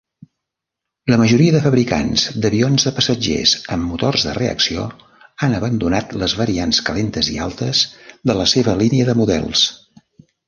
La majoria de fabricants d'avions de passatgers amb motors de reacció han abandonat les variants "calentes i altes" de la seva línia de models.